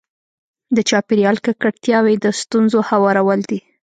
د چاپېریال ککړتیاوې د ستونزو هوارول دي.